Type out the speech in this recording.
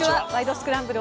スクランブル」